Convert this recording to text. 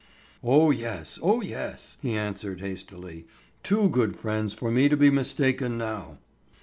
"Oh, yes, oh, yes," he answered hastily; "too good friends for me to be mistaken now."